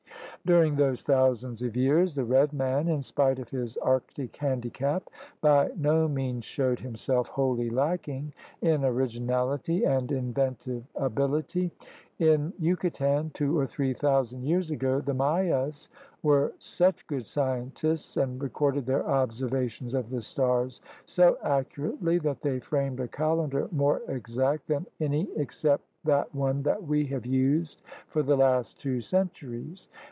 During those thousands of years the red man, in spite of his Arctic handicap, by no means showed himself wholly lacking in originality and inventive ability. In Yucatan two or three thousand years ago the Mayas were such good scientists and re corded their observations of the stars so accurately that they framed a calendar more exact than any except the one that we have used for the last two 24 THE RED MAN'S CONTINENT centuries.